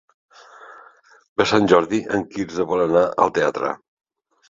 Per Sant Jordi en Quirze vol anar al teatre.